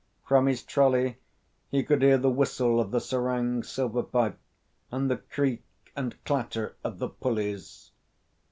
From his trolley he could hear the whistle of the serang's silver pipe and the creek and clatter of the pulleys.